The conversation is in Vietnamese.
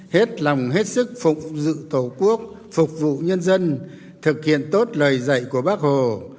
hết lòng hết sức phục dự tổ quốc phục vụ nhân dân thực hiện tốt lời dạy của bác hồ